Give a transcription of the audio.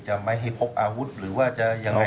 จะไม่ให้พบอาวุธหรือว่าจะอย่างไรครับ